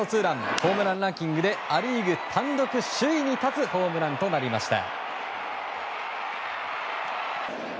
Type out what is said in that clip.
ホームランランキングでア・リーグ単独首位に立つホームランとなりました。